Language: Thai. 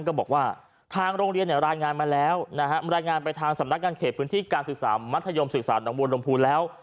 ก็บอกว่าทางโรงเรียนรายงานมาแล้วไปทางสำนักการเขตปืนที่การศึกษามรรถยมศึกษาหนังวลลมภูมิแล้ว